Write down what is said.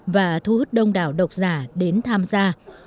và thu hút đông đảo độc giả đến tham gia